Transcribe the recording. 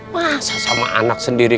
masa sama anak sendiri